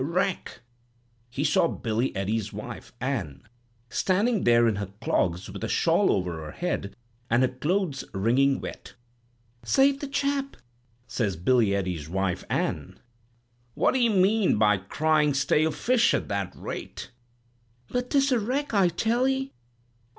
wreck!' he saw Billy Ede's wife, Ann, standing there in her clogs with a shawl over her head, and her clothes wringing wet. "'Save the chap!' says Billy Ede's wife, Ann. "'What d'ee mean by crying stale fish at that rate?' "'But 'tis a wreck, I tell 'ee.'